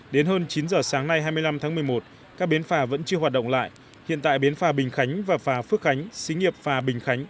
đến hơn chín giờ sáng nay hai mươi năm tháng một mươi một các bến phà vẫn chưa hoạt động lại hiện tại bến phà bình khánh và phà phước khánh xí nghiệp phà bình khánh